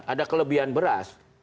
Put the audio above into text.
ada kelebihan beras